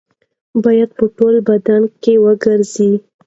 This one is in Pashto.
باید په ټول بدن کې وګرځي.